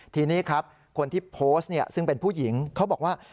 ทีนี้ครับคนที่โพสต์ซึ่งเป็นผู้หญิงเขาบอกว่า